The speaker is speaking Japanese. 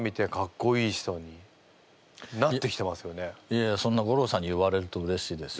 いやいやそんな吾郎さんに言われるとうれしいです。